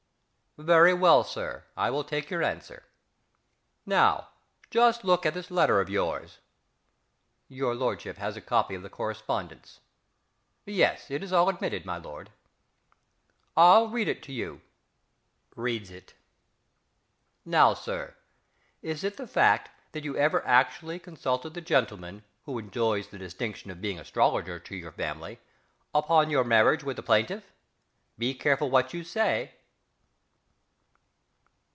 Very well, Sir, I will take your answer. Now, just look at this letter of yours. (Your lordship has a copy of the correspondence.... Yes, it is all admitted, my lord.) I'll read it to you. (Reads it.) Now, Sir, is it the fact that you ever actually consulted the gentleman who enjoys the distinction of being astrologer to your family upon your marriage with the plaintiff? Be careful what you say....